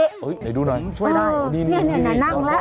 เดี๋ยวดูหน่อยดีนี่นั่นนั่งแล้ว